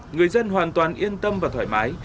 người dân hoàn toàn yên tâm và thoải mái